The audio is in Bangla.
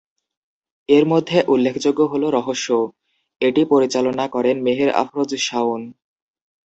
এরমধ্যে উল্লেখযোগ্য হলো "রহস্য", এটি পরিচালনা করেন মেহের আফরোজ শাওন।